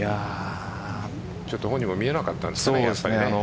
ちょっと本人も見えなかったんですね。